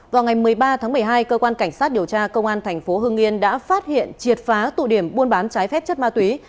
vào ngày một mươi ba tháng một mươi hai cơ quan cảnh sát điều tra công an thành phố hưng yên đã phát hiện triệt phá tụ điểm buôn bán trái phép chất ma túy